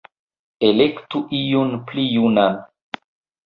Elektu iun pli junan!".